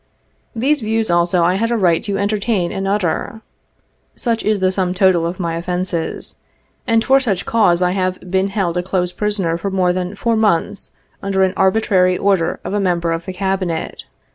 These views also I had the right to entertain and utter. Such is the sum total of my offences ; and for such cause have I been held a close prisoner for more than four months under an arbitrary order of a member of the Cabinet.